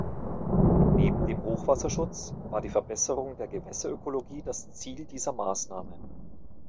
Neben dem Hochwasserschutz war die Verbesserung der Gewässerökologie das Ziel dieser Maßnahme.